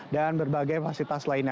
dan berbagai fasilitas lainnya